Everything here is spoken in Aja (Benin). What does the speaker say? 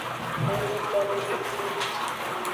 Enugomesese.